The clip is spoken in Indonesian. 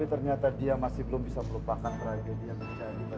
tapi ternyata dia masih belum bisa melupakan tragedi yang terjadi pada masa lalu